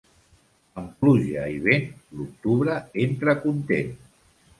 Amb pluja i vent, l'octubre entra content.